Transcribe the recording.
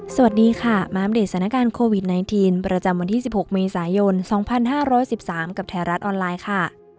สวัสดีค่ะมาอัปเดตสถานการณ์โควิด๑๙ประจำวันที่๑๖เมษายน๒๕๑๓กับไทยรัฐออนไลน์ค่ะ